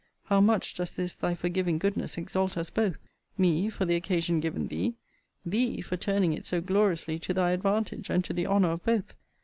How much does this thy forgiving goodness exalt us both! Me, for the occasion given thee! Thee, for turning it so gloriously to thy advantage, and to the honour of both!